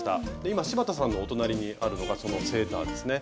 今柴田さんのお隣にあるのがそのセーターですね。